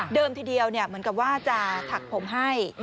ทีเดียวเหมือนกับว่าจะถักผมให้